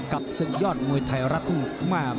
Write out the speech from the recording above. กับซึ่งยอดมวยไทยรัฐถูกมาก